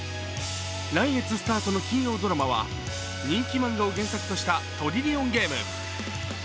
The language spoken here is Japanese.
来月スタートの金曜ドラマは人気漫画を原作とした「トリリオンゲーム」。